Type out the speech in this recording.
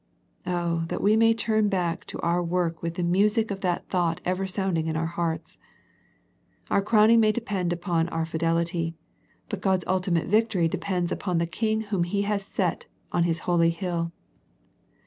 Oh, that we may turn back to our work with the music of that thought ever sounding in our hearts. Our crowning may depend on our fidelity, but God's ultimate victory depends upon the King Whom He has set on His holy hill.